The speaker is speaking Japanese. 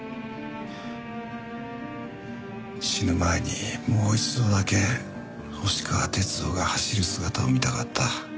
死ぬ前にもう一度だけ星川鐵道が走る姿を見たかった。